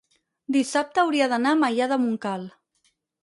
dissabte hauria d'anar a Maià de Montcal.